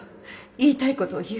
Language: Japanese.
言いたい事を言う。